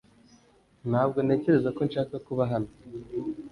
Ntabwo ntekereza ko nshaka kuba hano .